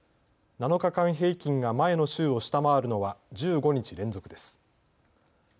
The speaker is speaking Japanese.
７日間平均が前の週を下回るのは１５日連続です。